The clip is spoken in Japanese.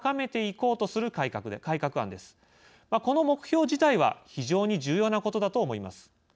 この目標自体は非常に重要なことだと思います。